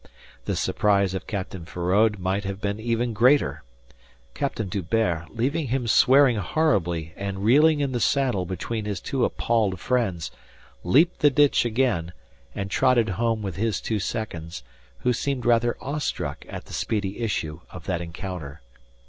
The surprise of Captain Feraud might have been even greater. Captain D'Hubert, leaving him swearing horribly and reeling in the saddle between his two appalled friends, leaped the ditch again and trotted home with his two seconds, who seemed rather awestruck at the speedy issue of that encounter.